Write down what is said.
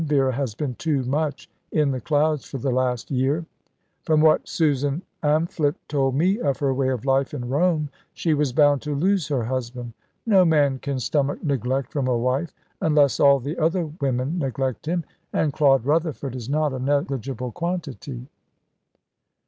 Vera has been too much in the clouds for the last year. From what Susan Amphlett told me of her way of life in Rome, she was bound to lose her husband. No man can stomach neglect from a wife; unless all the other women neglect him. And Claude Rutherford is not a negligible quantity."